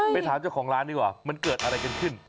ถามเจ้าของร้านดีกว่ามันเกิดอะไรกันขึ้น